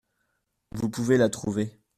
Vous pouvez la trouver.